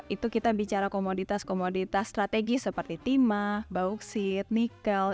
itu kita bicara komoditas komoditas strategis seperti timah bauksit nikel